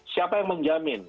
siapa yang menjamin